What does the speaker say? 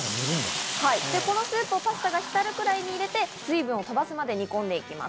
このスープをパスタが浸るくらいに入れて、水分を飛ばすまで煮込んで行きます。